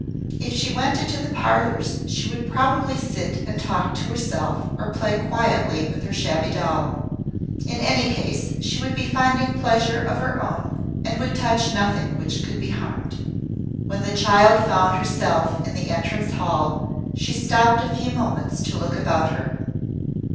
If she went into the parlours she would probably sit and talk to herself or play quietly with her shabby doll. In any case she would be finding pleasure of her own and would touch nothing which could be harmed. When the child found herself in the entrance hall she stopped a few moments to look about her.